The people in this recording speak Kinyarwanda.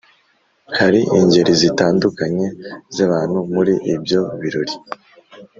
Hari ingeri zitandukanye z’abantu muri ibyo birori.